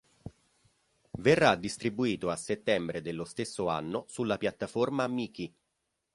Verrà distribuito a settembre dello stesso anno sulla piattaforma Michi.